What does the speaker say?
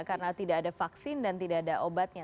karena tidak ada vaksin dan tidak ada obatnya